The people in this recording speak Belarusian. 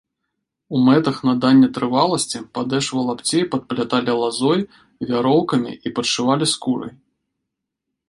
У мэтах надання трываласці падэшву лапцей падпляталі лазой, вяроўкамі і падшывалі скурай.